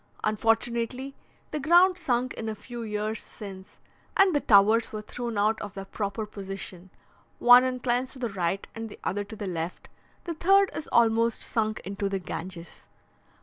Unfortunately, the ground sunk in a few years since, and the towers were thrown out of their proper position: one inclines to the right and the other to the left; the third is almost sunk into the Ganges.